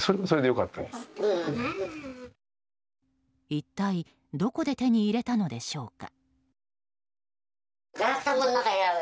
一体どこで手に入れたのでしょうか？